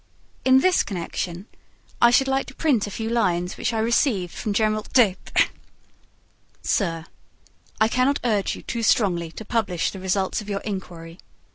In this connection, I should like to print a few lines which I received from General D : SIR: I can not urge you too strongly to publish the results of your inquiry.